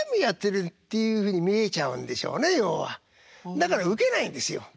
だからウケないんですよ。